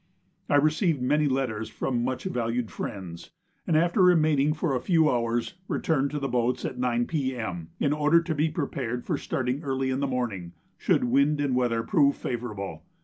I received many letters from much valued friends, and after remaining for a few hours, returned to the boats at 9 P.M. in order to be prepared for starting early in the morning, should wind and weather prove favourable.